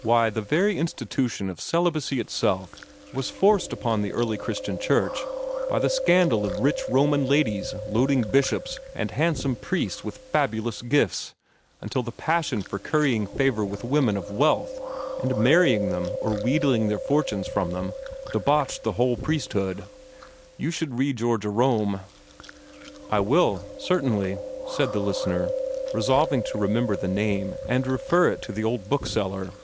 Why, the very institution of celibacy itself was forced upon the early Christian Church by the scandal of rich Roman ladies loading bishops and handsome priests with fabulous gifts until the passion for currying favor with women of wealth, and marrying them or wheedling their fortunes from them, debauched the whole priesthood. You should read your Jerome." "I will certainly," said the listener, resolving to remember the name and refer it to the old bookseller.